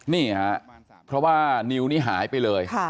นี่ครับเพราะว่านิวนี่หายไปเลย